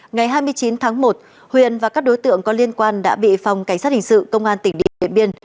ngày hai mươi chín tháng một huyền và các đối tượng có liên quan đã bị phòng cảnh sát hình sự công an tỉnh điện biên